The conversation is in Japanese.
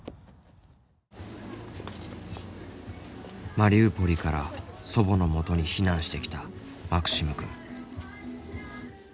マリウポリから祖母のもとに避難してきたマクシムくん。